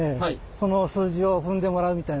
その数字を踏んでもらうみたいな。